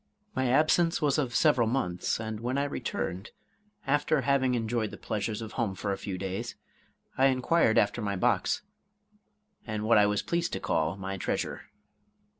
My absence was of several months; and when I returned, after having enjoyed the pleasures of home for a few days, I inquired after my box, and what I was pleased to call my treasure.